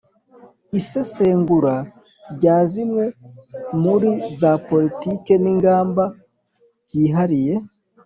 isesengura rya zimwe muri za politiki n'ingamba byihariye